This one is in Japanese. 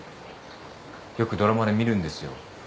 よくドラマで見るんですよ。